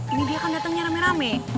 ini dia akan datangnya rame rame